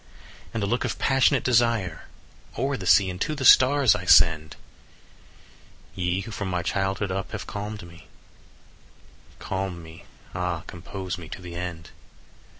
And a look of passionate desire 5 O'er the sea and to the stars I send: "Ye who from my childhood up have calm'd me, Calm me, ah, compose me to the end!